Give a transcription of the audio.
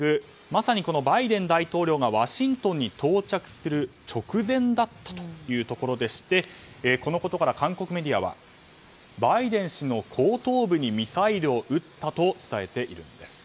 まさにこのバイデン大統領がワシントンに到着する直前だったというところでしてこのことから、韓国メディアはバイデン氏の後頭部にミサイルを撃ったと伝えているんです。